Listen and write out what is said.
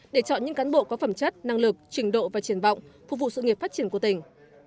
để chọn những cán bộ có phẩm chất năng lực trình độ và triển vọng phục vụ sự nghiệp phát triển của tỉnh